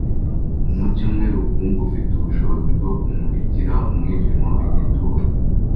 Umucyo umwe rukumbi ufite ubushobozi bwo kumurikira umwijima w’igituro